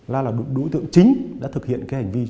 là đối tượng chính đã thực hiện hành vi